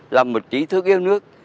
là một trí thức yêu nước